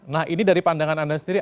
nah ini dari pandangan anda sendiri